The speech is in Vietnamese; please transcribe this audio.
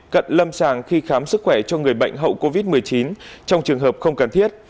cận lâm sàng khi khám sức khỏe cho người bệnh hậu covid một mươi chín trong trường hợp không cần thiết